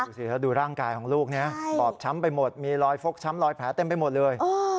สิถ้าดูร่างกายของลูกเนี่ยบอบช้ำไปหมดมีรอยฟกช้ำรอยแผลเต็มไปหมดเลย